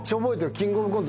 キングオブコント